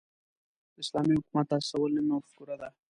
د اسلامي حکومت تاسیسول نوې مفکوره ده.